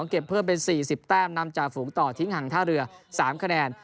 เก็บเพิ่มเป็น๔๐แต้มนำจากฝูงต่อทิ้งห่างท่าเรือ๓คะแนน